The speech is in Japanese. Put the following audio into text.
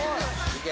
いけ！